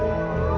mau kemana mas